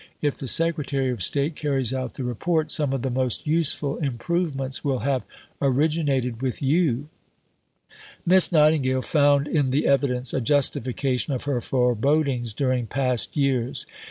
If the Secretary of State carries out the Report, some of the most useful improvements will have originated with you." The rate was 24.39 per 1000. Miss Nightingale found in the evidence a justification of her forebodings during past years.